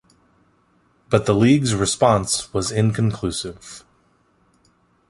But the league's response was inconclusive.